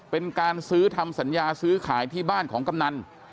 เป็นการซื้อทำสัญญาซื้อขายที่บ้านของกำนัน